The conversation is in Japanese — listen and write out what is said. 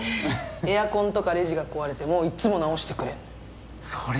エアコンとかレジが壊れてもいっつも直してくれるの。